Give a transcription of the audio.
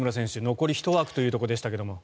残り１枠というところでしたが。